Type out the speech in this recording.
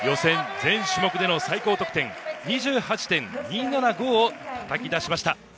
全種目での最高得点２８．２７５をたたき出しました。